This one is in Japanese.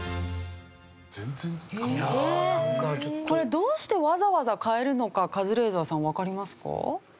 これどうしてわざわざ変えるのかカズレーザーさんわかりますか？